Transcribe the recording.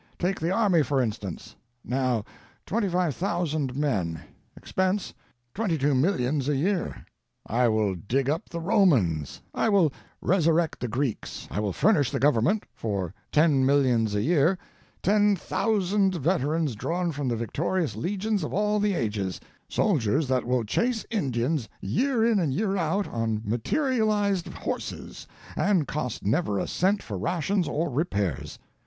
Take the army, for instance—now twenty five thousand men; expense, twenty two millions a year. I will dig up the Romans, I will resurrect the Greeks, I will furnish the government, for ten millions a year, ten thousand veterans drawn from the victorious legions of all the ages—soldiers that will chase Indians year in and year out on materialized horses, and cost never a cent for rations or repairs.